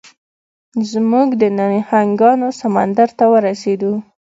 موږ د نهنګانو سمندر ته ورسیدو.